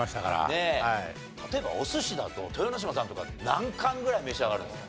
例えばお寿司だと豊ノ島さんとか何貫ぐらい召し上がるんですか？